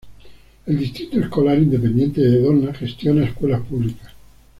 El Distrito Escolar Independiente de Donna gestiona escuelas públicas.